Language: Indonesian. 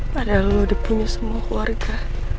padahal lo udah punya semua keluarga